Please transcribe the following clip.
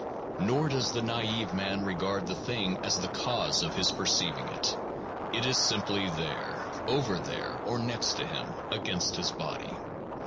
Nor does the naive man regard the thing as the cause of his perceiving it; it is simply there, over there, or next to him, against his body.